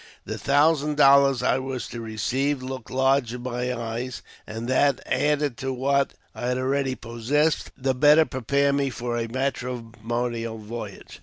The thousand dollars I was to receive looked large in my eyes ; and that, added to what I already possessed, would the better prepare me for a matrimonial voyage.